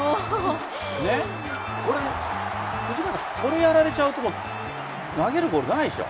これやられちゃうと投げるボール、ないでしょ？